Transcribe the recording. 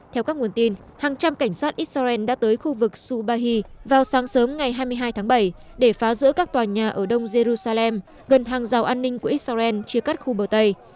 theo các nguồn tin hàng trăm cảnh sát israel đã tới khu vực subahi vào sáng sớm ngày hai mươi hai tháng bảy để phá rỡ các tòa nhà ở đông jerusalem gần hàng rào an ninh của israel chia cắt khu bờ tây